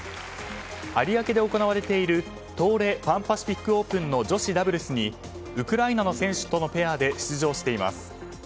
有明で行われている東レパンパシフィックオープンの女子ダブルスにウクライナの選手とのペアで出場しています。